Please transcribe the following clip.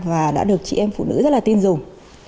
và đã được chị em phụ nữ rất là tin dùng